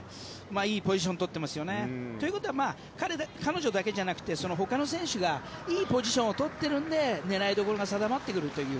いいポジション取ってますよね。ということは彼女だけじゃなくてほかの選手がいいポジションを取っているので狙いどころが定まってくるという。